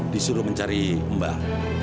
disuruh mencari mbak